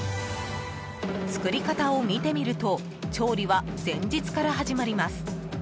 作り方を見てみると調理は前日から始まります。